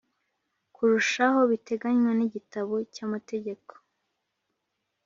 Kurushaho biteganywa n igitabo cy amategeko